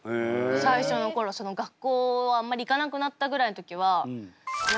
最初の頃その学校あんまり行かなくなったぐらいの時はやっぱり。